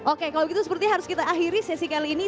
oke kalau begitu seperti harus kita akhiri sesi kali ini